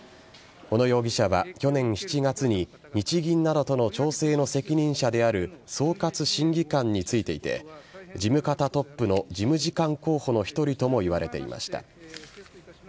小野容疑者は去年７月に日銀などとの調整の責任者である総括審議官に就いていて事務方トップの事務次官候補の１人ともいわれていました。